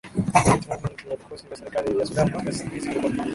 equality movement na vikosi vya serikali ya sudan katika siku za hivi karibuni